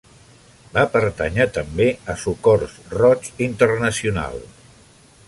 Va pertànyer també a Socors Roig Internacional.